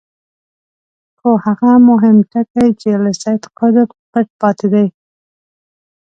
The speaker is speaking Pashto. خو هغه مهم ټکی چې له سید قطب پټ پاتې دی.